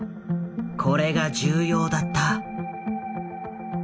これが重要だった。